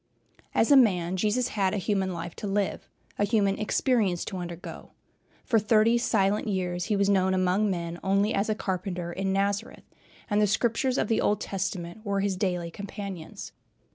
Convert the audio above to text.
As a man, Jesus had a human life to live, a human experience to undergo. For thirty silent years he was known among men only as a carpenter in Nazareth, and the Scriptures of the Old Testament were his daily companions.